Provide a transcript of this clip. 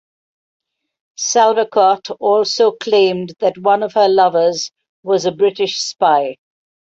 Salvequart also claimed that one of her lovers was a British spy.